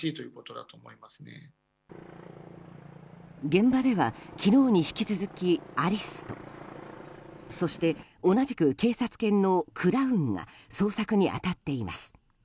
現場では、昨日に引き続きアリストそして、同じく警察犬のクラウンが捜索に当たっています。